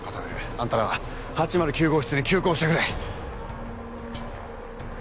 あんたらは８０９号室に急行してくれ！